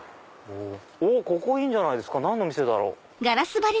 おここいいんじゃないですか何の店だろう？